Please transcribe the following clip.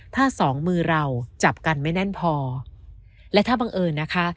ถ้าสองมือเราจับกันไม่แน่นพอและถ้าบังเอิญนะคะ